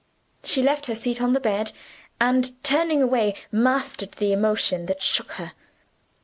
She left her seat on the bed, and, turning away, mastered the emotion that shook her.